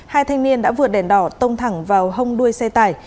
hai thanh niên đã vượt đèn đỏ tông thẳng vào hông đuôi xe tải